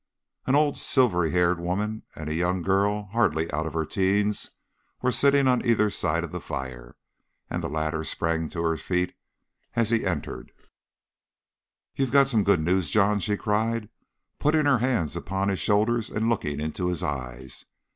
An old silvery haired woman and a young girl hardly out of her teens were sitting on either side of the fire, and the latter sprang to her feet as he entered. "You've got some good news, John," she cried, putting her hands upon his shoulders, and looking into his eyes.